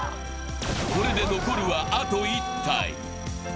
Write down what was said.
これで残るは、あと１体。